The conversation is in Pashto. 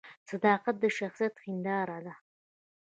صداقت د شخصیت هنداره ده